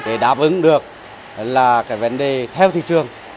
để đáp ứng được là cái vấn đề theo thị trường